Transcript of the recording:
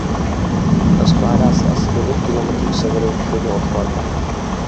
Rozkládá se asi devět kilometrů severovýchodně od Kladna.